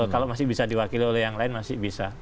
kalau masih bisa diwakili oleh yang lain masih bisa